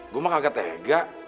gue mah kagak tega